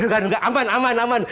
gak aman aman aman